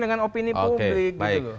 dengan opini publik oke baik